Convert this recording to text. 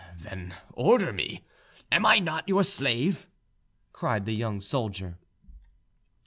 "Then order me—am I not your slave?" cried the young soldier.